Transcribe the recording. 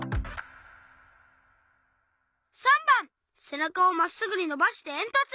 ３ばん「せなかをまっすぐにのばしてえんとつ」。